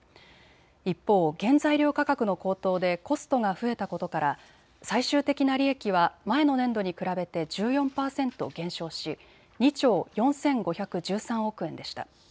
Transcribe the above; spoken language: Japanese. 一方、原材料価格の高騰でコストが増えたことから最終的な利益は前の年度に比べて１４％減少し２兆４５１３億円でした。